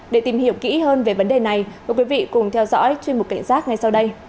để tìm hiểu kỹ hơn về vấn đề này quý vị cùng theo dõi